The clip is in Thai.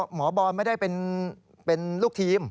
หมอบอลไม่ได้เป็นลูกทีม